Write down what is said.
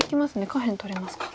下辺取れますか。